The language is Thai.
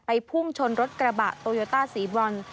ไปพุ่งชนรถกระบะโตยอต้า๔วัน